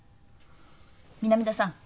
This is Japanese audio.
南田さん。